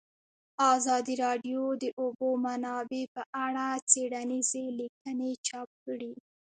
ازادي راډیو د د اوبو منابع په اړه څېړنیزې لیکنې چاپ کړي.